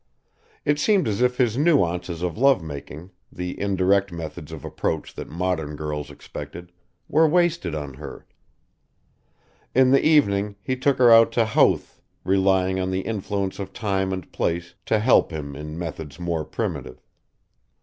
It seemed as if his nuances of love making, the indirect methods of approach that modern girls expected, were wasted on her. In the evening he took her out to Howth, relying on the influence of time and place to help him in methods more primitive.